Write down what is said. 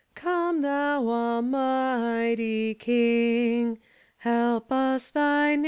Come, thou al might y King, Help us thy 2.